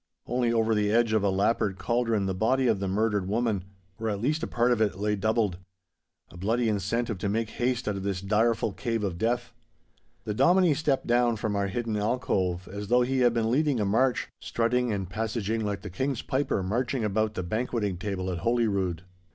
Only over the edge of a lappered cauldron the body of the murdered woman (or, at least, a part of it), lay doubled—a bloody incentive to make haste out of this direful Cave of Death. The Dominie stepped down from our hidden alcove as though he had been leading a march, strutting and passaging like the King's piper marching about the banqueting table at Holyrood.